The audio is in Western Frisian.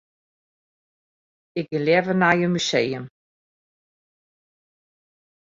Ik gean leaver nei in museum.